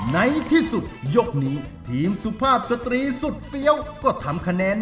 ในที่สุดยกนี้ทีมสุภาพสตรีสุดเฟี้ยวก็ทำคะแนน